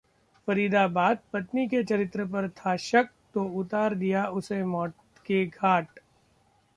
फरीदाबादः पत्नी के चरित्र पर था शक तो उतार दिया उसे मौत के घाट